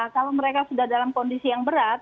kalau mereka sudah dalam kondisi yang berat